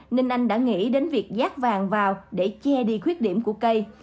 nên anh đã nghĩ đến việc giác vàng vào để che đi khuyết điểm của cây